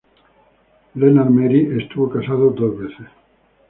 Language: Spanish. Lennart Meri estuvo casado dos veces.